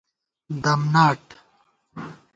دَم ناٹ